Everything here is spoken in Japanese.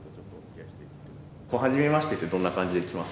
はじめましてってどんな感じで来ます？